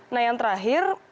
nah yang terakhir